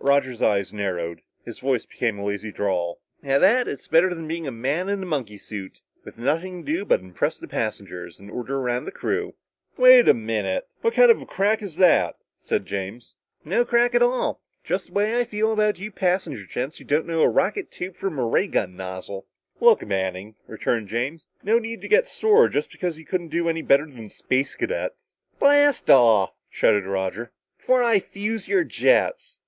Roger's eyes narrowed, his voice became a lazy drawl. "At that it's better'n being a man in a monkey suit, with nothing to do but impress the passengers and order around the crew." "Wait a minute," said James. "What kind of a crack is that?" "No crack at all. Just the way I feel about you passenger gents who don't know a rocket tube from a ray gun nozzle." "Look, Manning," returned James. "No need to get sore, just because you couldn't do any better than the Space Cadets." "Blast off," shouted Roger, "before I fuse your jets."